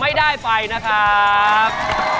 ไม่ได้ไปนะครับ